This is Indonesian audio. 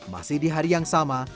masih di hari yang sama